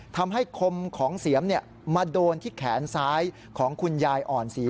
ทำให้คมของเสียมมาโดนที่แขนซ้ายของคุณยายอ่อนศรี